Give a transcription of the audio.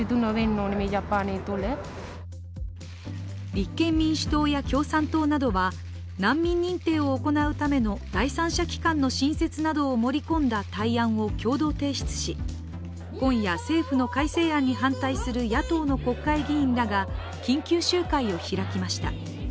立憲民主党や共産党などは難民認定を行うための第三者機関の新設などを盛り込んだ対案を共同提出し、今夜、政府の改正案に反対する野党の国会議員らが緊急集会を開きました。